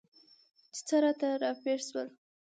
چې څه راته راپېښ شول؟